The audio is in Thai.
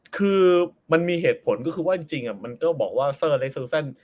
คือมันมีเหตุผลก็คือว่าจริงมันก็บอกว่าเซอร์เล็กซูเซ่น